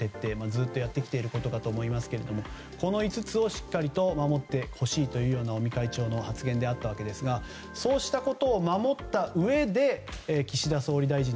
ずっとやってきていることかと思いますけどこの５つをしっかり守ってほしいという尾身会長の発言であったわけですがそうしたことを守ったうえで岸田総理大臣。